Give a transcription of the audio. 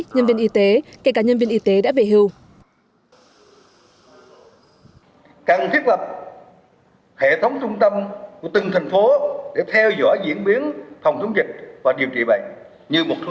nhân viên y tế kể cả nhân viên y tế đã về hưu